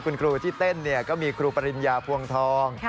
คุณครูที่เต้นก็มีครูปริญญาภวงทอง